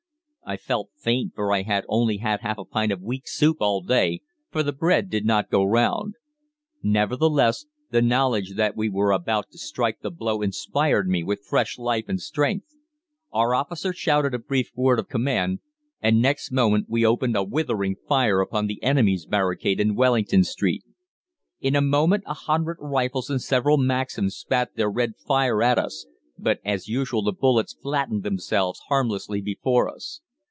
I felt faint, for I had only had half a pint of weak soup all day, for the bread did not go round. Nevertheless, the knowledge that we were about to strike the blow inspired me with fresh life and strength. Our officer shouted a brief word of command, and next moment we opened a withering fire upon the enemy's barricade in Wellington Street. "In a moment a hundred rifles and several Maxims spat their red fire at us, but as usual the bullets flattened themselves harmlessly before us.